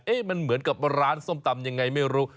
มันเหมือนกับร้านส้มตำยังไงไม่รู้